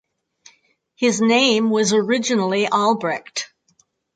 His name was originally Albrecht.